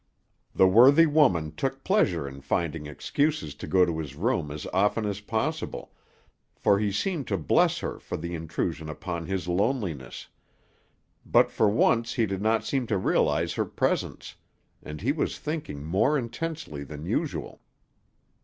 The worthy woman took pleasure in finding excuses to go to his room as often as possible, for he seemed to bless her for the intrusion upon his loneliness; but for once he did not seem to realize her presence, and he was thinking more intensely than usual.